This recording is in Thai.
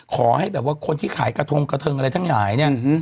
ขอให้แบบว่าคนที่ขายกระทงกระเทิงอะไรทั้งหลายเนี่ย